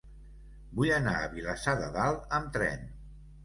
Vull anar a Vilassar de Dalt amb tren.